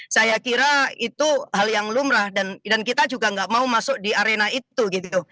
saya kira itu hal yang lumrah dan kita juga nggak mau masuk di arena itu gitu